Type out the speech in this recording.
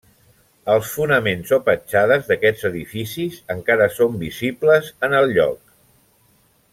Els fonaments o petjades d'aquests edificis encara són visibles en el lloc.